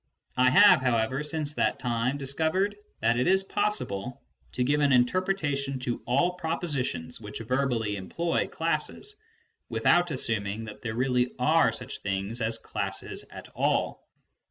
I have, however, since that time discovered that it is possible to give an interpretation to all propositions which verbally employ classes, without assuming that there really are such things as classes at all.